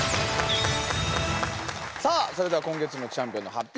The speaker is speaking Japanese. さあそれでは今月のチャンピオンの発表